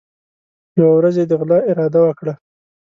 یوه ورځ یې د غلا اراده وکړه.